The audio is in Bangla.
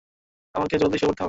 আমাকে জলদি শুয়ে পড়তে হবে।